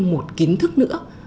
một kiến thức nữa